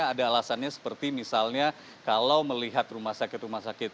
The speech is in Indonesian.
karena ada alasannya seperti misalnya kalau melihat rumah sakit rumah sakit